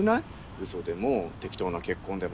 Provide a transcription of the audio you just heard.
うそでも適当な結婚でも。